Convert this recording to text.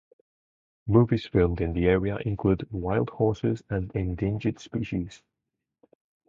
Movies filmed in the area include "Wild Horses" and "Endangered Species".